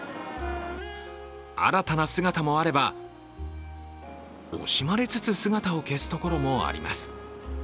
新たな姿もあれば、惜しまれつつ姿を消すところもあります。